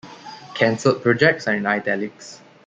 Cancelled projects are in italics.